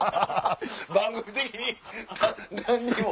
番組的に何にも。